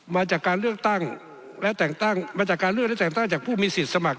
มาจากการเลือกตั้งและแต่งตั้งมาจากการเลือกและแต่งตั้งจากผู้มีสิทธิสมัคร